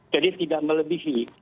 jadi tidak melebihi